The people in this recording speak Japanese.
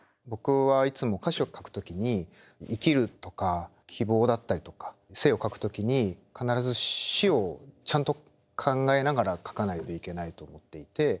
僕はいつも歌詞を書く時に生きるとか希望だったりとか生を書く時に必ず死をちゃんと考えながら書かないといけないと思っていて。